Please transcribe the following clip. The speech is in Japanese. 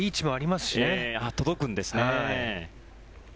届くんですね。